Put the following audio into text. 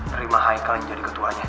terima haikal yang jadi ketuanya